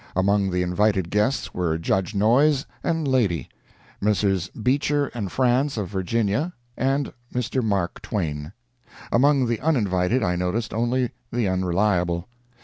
Among the invited guests were Judge Noyes and lady, Messrs. Beecher and Franz, of Virginia, and Mr. Mark Twain; among the uninvited I noticed only the Unreliable.